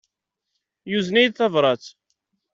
Yuzen-iyi-d tabrat.